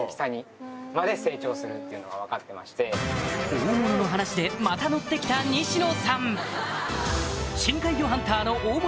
大物の話でまたノッてきた西野さん